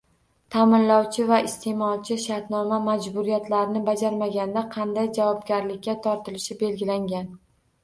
Taʼminlovchi va isteʼmolchi shartnoma majburiyatlarini bajarmaganda qanday javobgarlikga tortilishi belgilangan?